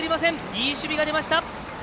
いい守備が出ました。